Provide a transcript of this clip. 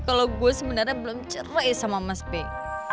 kalau gue sebenarnya belum cerai sama mas bey